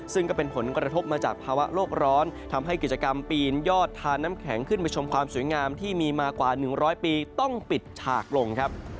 ซึ่งก็เป็นผลกระทบมาจากภาวะโลกร้อนทำให้กิจกรรมปีนยอดทานน้ำแข็งขึ้นมาชมความสวยงามที่มีมากว่า๑๐๐ปีต้องปิดฉากลงครับ